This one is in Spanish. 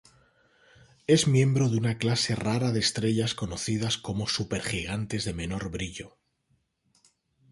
Es miembro de una clase rara de estrellas conocida como supergigantes de menor brillo.